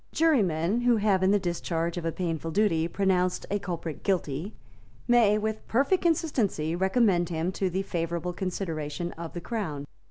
Jurymen, who have, in the discharge of a painful duty, pronounced a culprit guilty, may, with perfect consistency, recommend him to the favourable consideration of the Crown.